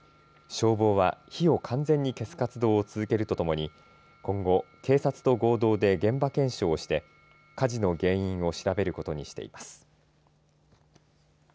消防は火を完全に消す活動を続けるとともに今後、警察と合同で現場検証をして火事の原因を調べることにしています。